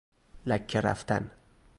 لکه رفتن